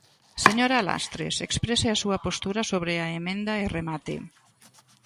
Señora Lastres, exprese a súa postura sobre a emenda e remate.